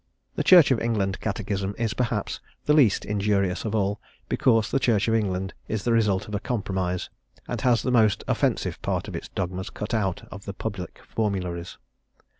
The Church of England catechism is, perhaps, the least injurious of all, because the Church of England is the result of a compromise, and has the most offensive parts of its dogmas cut out of the public formularies.